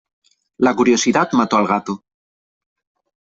La curiosidad mató al gato.